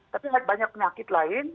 tapi banyak penyakit lain